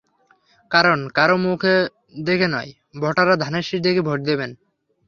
কারণ, কারও মুখ দেখে নয়, ভোটাররা ধানের শীষ দেখে ভোট দেবেন।